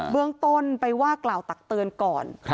เบื้องต้นไปว่ากล่าวตักเตือนก่อน